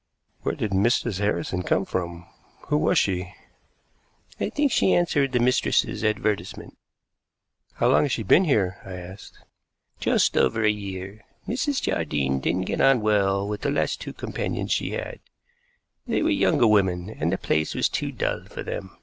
"Where did Mrs. Harrison come from? Who was she?" "I think she answered the mistress's advertisement." "How long has she been here?" I asked. "Just over a year. Mrs. Jardine didn't get on well with the last two companions she had. They were younger women, and the place was too dull for them.